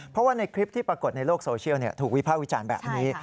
เพราะว่าในคลิปที่ปรากฏในโลกโซเชียลถูกวิภาควิจารณ์แบบนี้